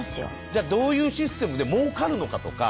どういうシステムでもうかるのかとか。